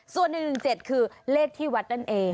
ส่วน๑๑๗คือเลขที่วัดนั่นเอง